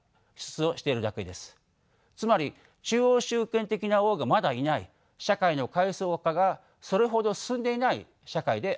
つまり中央集権的な王がまだいない社会の階層化がそれほど進んでいない社会でありました。